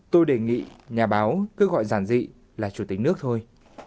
tôi đề nghị nhà báo cứ gọi giản dị là chủ tịch nước thôi